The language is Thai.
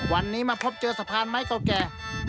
วันนี้มาพบเจอสะพานไม้เก่าแก่